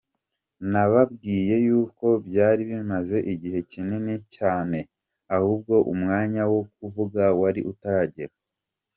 Nababwiye y’uko byari bimaze igihe kinini cyane ahubwo umwanya wo kuvuga wari utaragera.